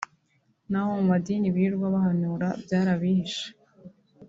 n’aba bo mumadini birirwa bahanura byarabihishe